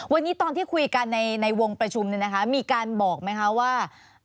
วันนี้ตอนที่คุยกันในวงประชุมมีการบอกไหมคะว่า